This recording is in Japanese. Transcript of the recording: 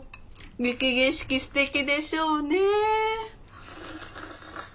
雪景色すてきでしょうねえ。